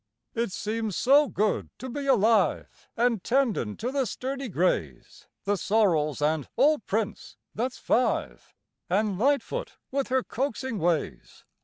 It seems so good to be alive, An' tendin' to the sturdy grays, The sorrels, and old Prince, that's five An' Lightfoot with her coaxing ways.